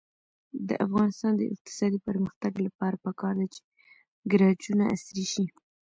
د افغانستان د اقتصادي پرمختګ لپاره پکار ده چې ګراجونه عصري شي.